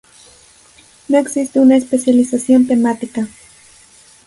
No existe una especialización temática.